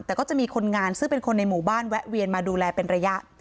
แต่ก็จะมีคนงานซึ่งเป็นคนในหมู่บ้านแวะเวียนมาดูแลเป็นระยะ